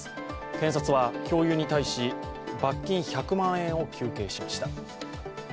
検察は教諭に対し、罰金１００万円を求刑しました。